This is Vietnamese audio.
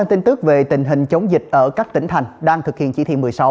tin tức về tình hình chống dịch ở các tỉnh thành đang thực hiện chỉ thị một mươi sáu